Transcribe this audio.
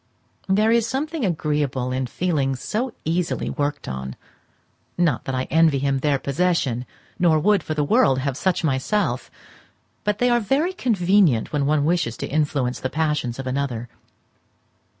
There is something agreeable in feelings so easily worked on; not that I envy him their possession, nor would, for the world, have such myself; but they are very convenient when one wishes to influence the passions of another.